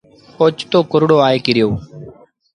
اوچتو ڪُرڙو آئي ڪريو۔